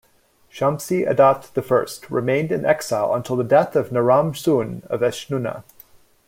Shamshi-Adad I remained in exile until the death of Naram-Suen of Eshnunna.